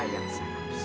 yang sangat besar